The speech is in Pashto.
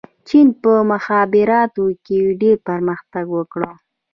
چین په مخابراتو کې ډېر پرمختګ وکړ.